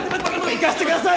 行かせてください！